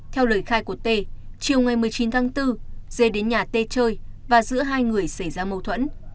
theo lời khai của t chiều ngày một mươi chín tháng bốn dê đến nhà tê chơi và giữa hai người xảy ra mâu thuẫn